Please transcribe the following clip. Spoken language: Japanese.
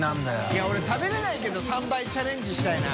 い俺食べれないけど３倍チャレンジしたいな。